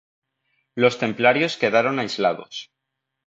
Los templarios quedaron aislados.